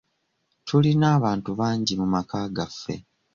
Tulina abantu bangi mu maka gaffe